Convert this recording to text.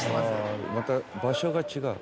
あまた場所が違う。